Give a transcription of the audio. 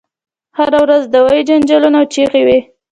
هره ورځ دعوې جنجالونه او چیغې وي.